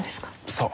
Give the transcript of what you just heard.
そう。